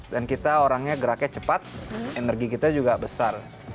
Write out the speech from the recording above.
dan kita orangnya geraknya cepat energi kita juga besar